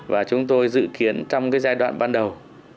và chúng tôi dự kiến trong cái giai đoạn ban đầu